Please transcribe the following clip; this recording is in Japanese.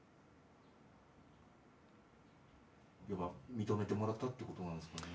認めてもらったということなんですかね？